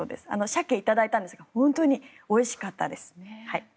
サケ、いただいたんですが本当においしかったです。